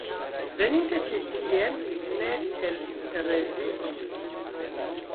Veninte ĉi tien, mi ne elreviĝis.